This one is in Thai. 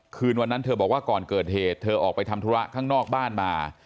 คืนวันนั้นเธอบอกว่าก่อนเกิดเหตุเธอออกไปทำธุระข้างนอกบ้านมา